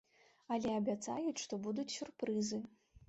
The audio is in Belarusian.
Але абяцаюць, што будуць сюрпрызы!